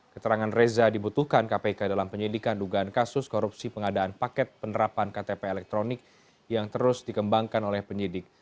keterangan reza dibutuhkan kpk dalam penyidikan dugaan kasus korupsi pengadaan paket penerapan ktp elektronik yang terus dikembangkan oleh penyidik